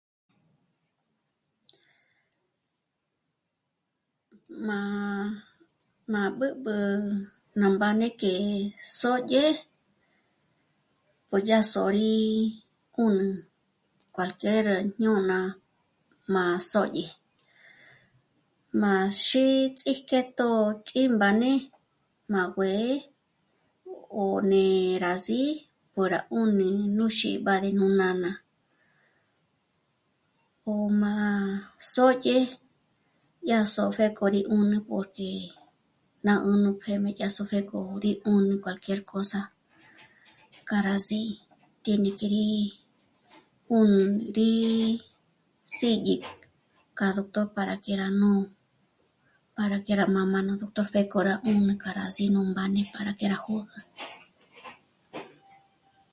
Má... má b'ǚb'ü ná mbáne que sòdye po yá sôri 'ùnü cualquier à jñôna má sòdye. Má xíts'i kjétjo ts'ímbáne má guë̌'ë ó né rá sí' ó rá 'ùni nú xíb'ad'ü nú nána. Jó má'a... sòdye, yá sópjé k'o rí 'ùnü porque ná 'ùnü pjém'e yá só' pjéko rí 'ùnü cualquier cosa k'a rá sí'i tí ní k'i rí... ùn... ndí... sídyi k'a doctor para que rá nú... para que rá mā́'mā nú doctor pjéko rá 'ùnü k'a rá s'í nú mbáne para que rá jö́gü